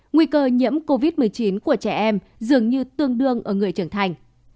nguy cơ nhiễm covid một mươi chín của trẻ em dường như tương đương ở người trưởng thành